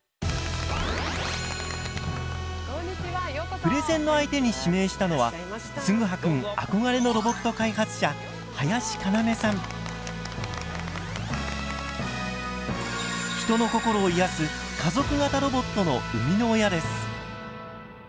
プレゼンの相手に指名したのはつぐはくん憧れのロボット開発者人の心を癒やす家族型ロボットの生みの親です。